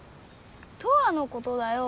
トアのことだよ。